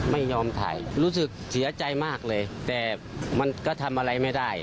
ไม่ยอมถ่ายรู้สึกเสียใจมากเลยแต่มันก็ทำอะไรไม่ได้